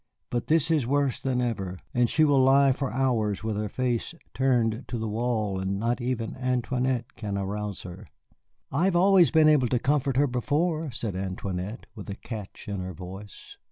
But this is worse than ever, and she will lie for hours with her face turned to the wall, and not even Antoinette can arouse her." "I have always been able to comfort her before," said Antoinette, with a catch in her voice.